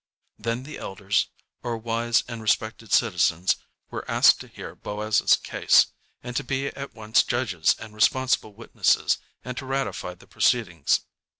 Then the elders, or wise and respected citizens were asked to hear Boaz's case, and to be at once judges and responsible witnesses, and to ratify the proceedings.